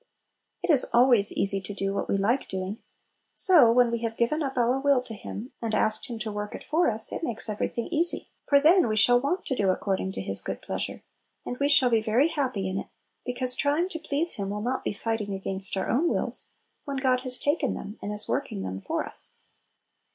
It is always easy to do what we like doing; so, when we have given up our will to Him, and asked Him to work it for us, it makes every thing easy. For then we shall ward to "do according to His good pleasure," and we shall be very happy in it ; because trying to please Him will not be fighting against our own wills, when God has taken them and is working them for us.